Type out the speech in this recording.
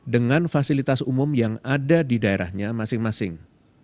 dengan fasilitas umum yang ada di daerahnya masing masing